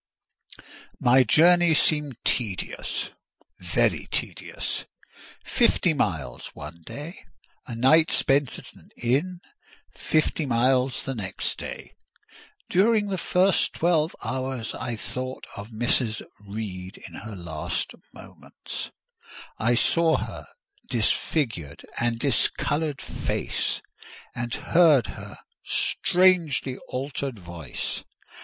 My journey seemed tedious—very tedious: fifty miles one day, a night spent at an inn; fifty miles the next day. During the first twelve hours I thought of Mrs. Reed in her last moments; I saw her disfigured and discoloured face, and heard her strangely altered voice.